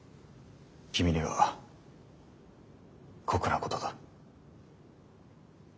君には酷なことだ。